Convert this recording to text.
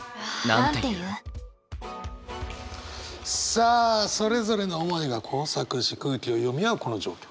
さあそれぞれの思いが交錯し空気を読み合うこの状況。